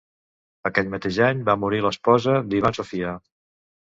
Aquell mateix any va morir l'esposa d'Ivan, Sofia.